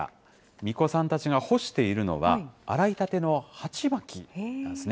みこさんたちが干しているのは、洗いたてのはちまきなんですね。